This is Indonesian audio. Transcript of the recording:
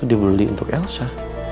waktu dibeli untuk elsa